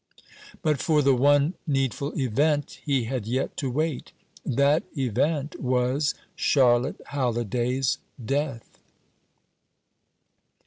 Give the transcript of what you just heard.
But for the one needful event he had yet to wait. That event was Charlotte Halliday's death.